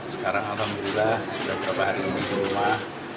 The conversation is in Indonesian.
sekarang alhamdulillah sudah beberapa hari lagi di rumah